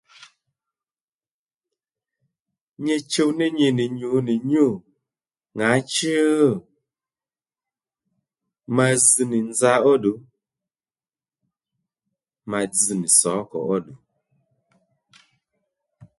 Nyi chuw ní nyi nì nyǔ nì nyû ŋǎchú? ma zz nì nza óddù ma dzz nì sǒkò óddù